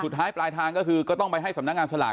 ท้ายปลายทางก็คือก็ต้องไปให้สำนักงานสลาก